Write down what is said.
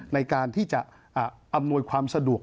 ในการที่จะอำนวยความสะดวก